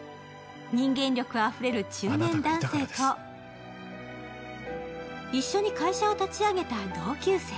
人間力あふれる中年男性と一緒に会社を立ち上げた同級生。